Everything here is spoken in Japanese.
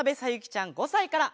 ちゃん５さいから。